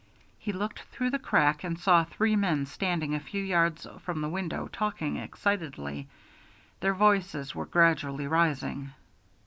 He looked through the crack and saw three men standing a few yards from the window talking excitedly. Their voices were gradually rising.